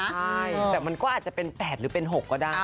ใช่แต่มันก็อาจจะเป็น๘หรือเป็น๖ก็ได้